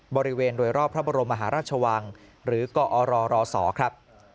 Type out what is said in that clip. บริเวณโดยรอบพระบรมมหาราชวังหรือกอรรศครับ